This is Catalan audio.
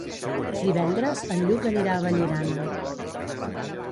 Divendres en Lluc anirà a Vallirana.